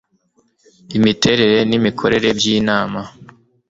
IMITERERE N IMIKORERE BY INAMA